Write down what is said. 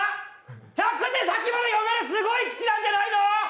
１００手先まで読めるすごい棋士なんじゃないの？